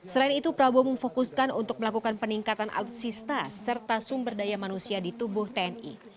selain itu prabowo memfokuskan untuk melakukan peningkatan alutsista serta sumber daya manusia di tubuh tni